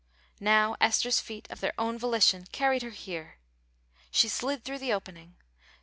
Now Esther's feet, of their own volition, carried her here. She slid through the opening.